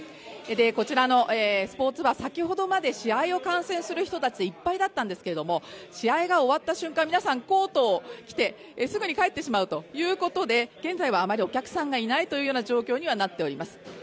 こちらのスポーツバー、先ほどまで試合を観戦する人でいっぱいだったんですが、試合が終わった瞬間、皆さんコートを着てすぐに帰ってしまい現在はあまりお客さんがいないという状況にはなっています。